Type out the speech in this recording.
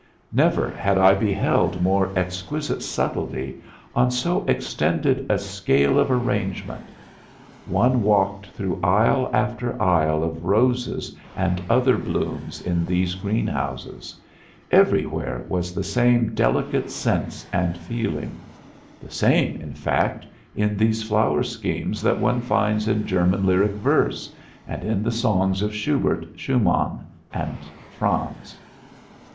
Never had I beheld more exquisite subtlety on so extended a scale of arrangement. One walked through aisle after aisle of roses and other blooms in these greenhouses everywhere was the same delicate sense and feeling; the same, in fact, in these flower schemes that one finds in German lyric verse, and in the songs of Schubert, Schumann and Franz.